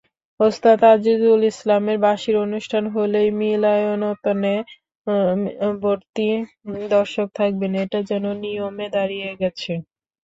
ওস্তাদ আজিজুল ইসলামের বাঁশির অনুষ্ঠান হলেই মিলনায়তনভর্তি দর্শক থাকবেন—এটা যেন নিয়মে দাঁড়িয়ে গেছে।